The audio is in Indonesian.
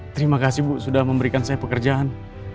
terima kasih bu sudah memberikan saya pekerjaan